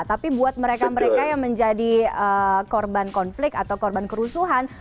tapi buat mereka mereka yang menjadi korban konflik atau korban kerusuhan